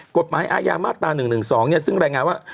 กฎหมายอาญามาตรา๑๑๒ซึ่งรายงานว่า